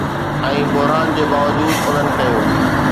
۽ بحران جي باوجود، انهن ڪيو